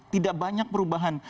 tidak banyak perubahan